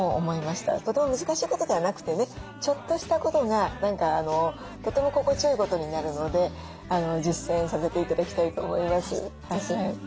とても難しいことではなくてねちょっとしたことが何かとても心地よいことになるので実践させて頂きたいと思います。